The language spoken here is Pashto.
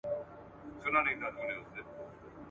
له یوې خوني تر بلي پوری تلله !.